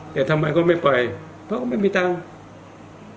แต่ทำไมเขาไม่ไปเพราะเขาไม่มีตังค์